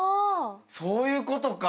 そういうことか。